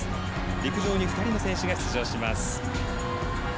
陸上に２人の選手が出場します。